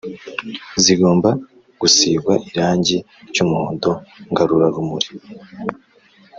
zigomba gusigwa irangi ry’umuhondo ngarurarumuri